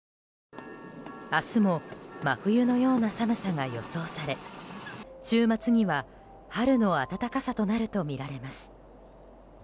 明日も真冬のような寒さが予想され週末には春の暖かさとなるとみられます。